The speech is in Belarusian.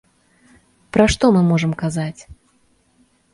Пра што мы можам казаць?